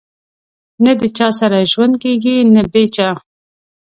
نه د چا سره ژوند کېږي نه بې چا